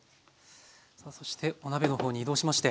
そしてお鍋の方に移動しまして。